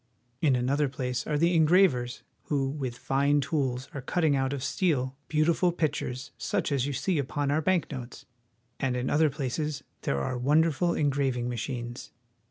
In another place are the engravers, who with fine tools are cutting out of steel beautiful pictures such as you see upon our bank notes ; and in other places there are wonderful engraving machines.